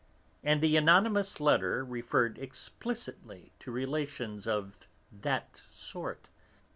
And the anonymous letter referred explicitly to relations of that sort.